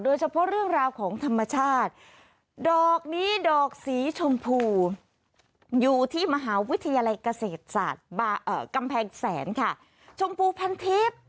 โดยเฉพาะเรื่องราวของธรรมชาติ